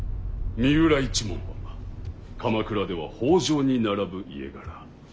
三浦一門は鎌倉では北条に並ぶ家柄。